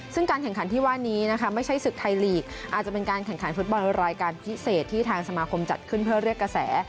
ซึ่งการแข่งขันที่ว่านี้นะคะไม่ใช่ศึกไทยลีกอาจจะเป็นการแข่งขันฟุตบอลรายการพิเศษที่ทางสมาคมจัดขึ้นเพื่อเรียกกระแส